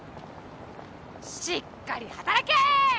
しっかり働けーっ！